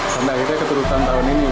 karena akhirnya keturutan tahun ini